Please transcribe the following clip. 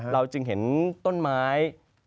เราจึงเห็นต้นไม้